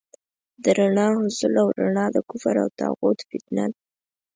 د رڼا حصول او رڼا د کفر او طاغوت فتنه ده.